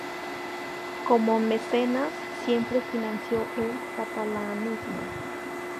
Como mecenas, siempre financió el catalanismo.